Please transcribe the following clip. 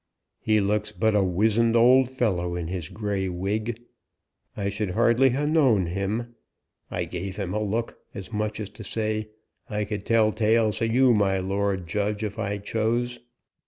"He looks but a wizened old fellow in his grey wig. I should hardly ha' known him. I gave him a look, as much as to say, 'I could tell tales o' you, my lord judge, if I chose.'